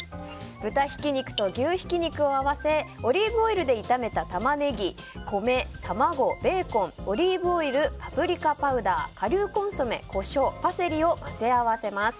豚ひき肉と牛ひき肉を合わせオリーブオイルで炒めたタマネギ、米、卵、ベーコンオリーブオイルパプリカパウダー、顆粒コンソメコショウ、パセリを混ぜ合わせます。